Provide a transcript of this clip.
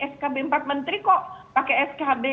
skb empat menteri kok pakai skb